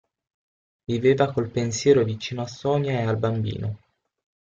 Viveva col pensiero vicino a Sonia ed al bambino.